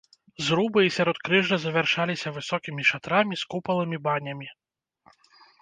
Зрубы і сяродкрыжжа завяршаліся высокімі шатрамі з купаламі-банямі.